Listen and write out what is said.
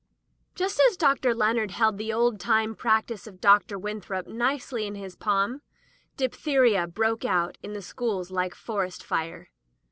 Just as Dr. Leonard held the old time practice of Dr. Winthrop nicely in his palm, diphtheria broke out in the schools like forest fire.